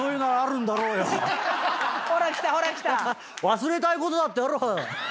忘れたいことだってある。